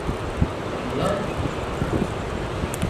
怎么了？